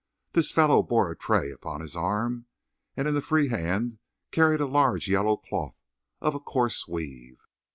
This fellow bore a tray upon his arm, and in the free hand carried a large yellow cloth of a coarse weave.